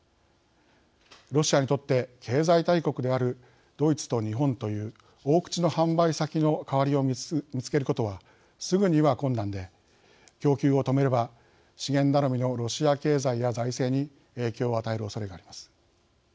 ロシアにとって経済大国であるドイツと日本という大口の販売先の代わりを見つけることは、すぐには困難で供給を止めれば資源頼みのロシア経済や財政に影響を与えるおそれがあります。